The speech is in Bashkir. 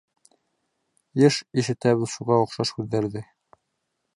Йыш ишетәбеҙ шуға оҡшаш һүҙҙәрҙе.